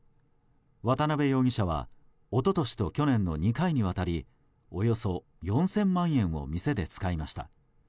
渡邊容疑者は一昨年と去年の２回にわたりおよそ４０００万円を店で使いました。